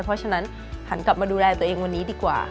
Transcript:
เพราะฉะนั้นหันกลับมาดูแลตัวเองวันนี้ดีกว่า